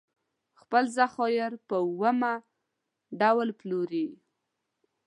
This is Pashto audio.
خپل ذخایر په اومه ډول پلوري.